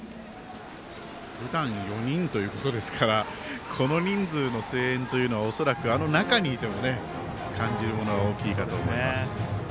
ふだん４人ということですからこの人数の声援はあの中にいても感じるものが大きいと思います。